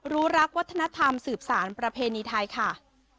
รู้รักวัฒนธรรมสืบสารประเพณีไทยค่ะ